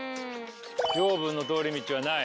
「養分の通り道」はない？